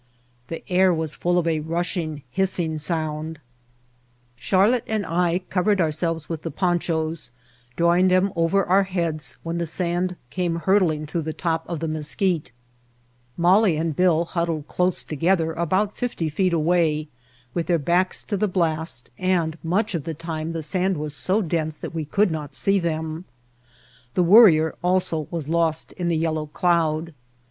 The air was full of a rushing, hissing sound. [2.1] White Heart of Mojave Charlotte and I covered ourselves with the ponchos, drawing them over our heads when the sand came hurtling through the top of the Mesquite. Molly and Bill huddled close to gether about fifty feet away with their backs to the blast, and much of the time the sand was so dense that we could not see them. The Wor rier also was lost in the yellow cloud.